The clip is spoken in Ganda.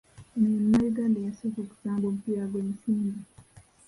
Ono ye Munnayuganda eyasooka okusamba omupiira gw’ensimbi.